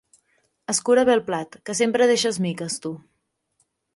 Escura bé el plat, que sempre deixes miques, tu.